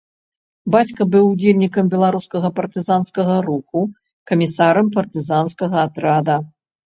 Бацька быў удзельнікам беларускага партызанскага руху, камісарам партызанскага атрада.